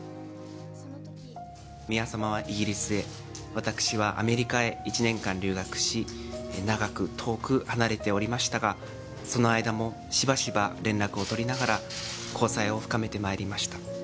宮さまはイギリスへ、私はアメリカへ１年間留学し、長く遠く離れておりましたが、その間もしばしば連絡を取りながら、交際を深めてまいりました。